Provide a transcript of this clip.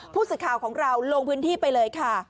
ผู้สื่อข่าวของเราลงพื้นที่ไปเลยค่ะ